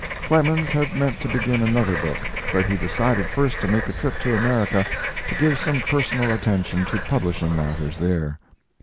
] Clemens had meant to begin another book, but he decided first to make a trip to America, to give some personal attention to publishing matters there.